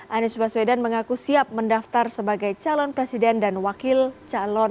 anies baswedan mengaku siap mendaftar sebagai calon presiden dan wakil calon